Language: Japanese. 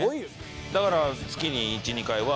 だから。